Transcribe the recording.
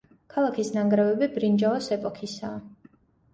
ქალაქის ნანგრევები ბრინჯაოს ეპოქისაა.